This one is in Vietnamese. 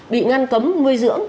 bị ngăn cấm nuôi dưỡng